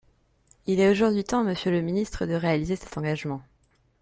Il est aujourd’hui temps, monsieur le ministre, de réaliser cet engagement.